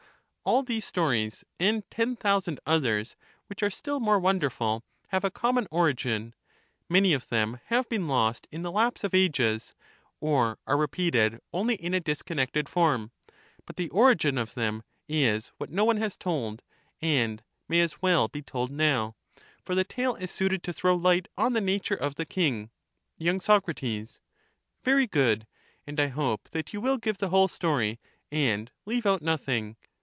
All these stories, and ten thousand others which are still more wonderful, have a common origin ; many of them have been lost in the lapse of ages, or are repeated only in a disconnected form ; but the origin of them is what no one has told, and may as well be told now ; for the tale is suited to throw light on the nature of the king, y. Soc. Very good ; and I hope that you will give the whole story, and leave out nothing.